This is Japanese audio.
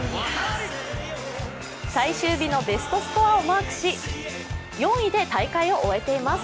最終日のベストスコアをマークし４位で大会を終えています。